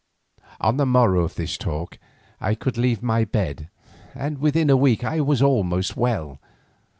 On the morrow of this talk I could leave my bed, and within a week I was almost well.